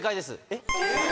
えっ。